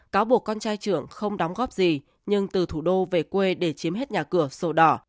cáo buộc con trai trưởng không đóng góp gì nhưng từ thủ đô về quê để chiếm hết nhà cửa sổ đỏ